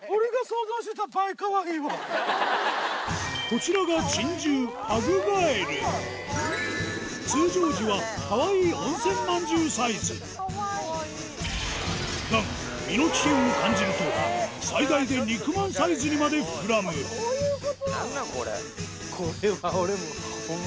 こちらが通常時はかわいい温泉まんじゅうサイズだが身の危険を感じると最大で肉まんサイズにまで膨らむ何なん？